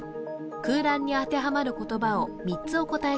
空欄に当てはまる言葉を３つお答え